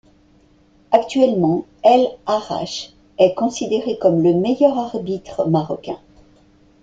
Actuellement, El Ahrach est considéré comme le meilleur arbitre marocain.